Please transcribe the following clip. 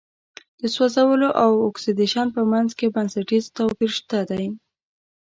د سوځولو او اکسیدیشن په منځ کې بنسټیز توپیر شته دی.